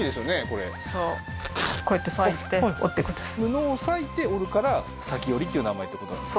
これそうこうやって裂いて織っていくんです布を裂いて織るから裂織っていう名前ってことなんですか？